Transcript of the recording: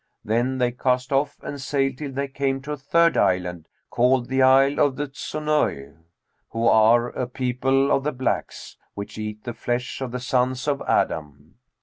Then they cast off and sailed till they came to a third island, called the Isle of the Zunъj,[FN#232] who are a people of the blacks, which eat the flesh of the sons of Adam.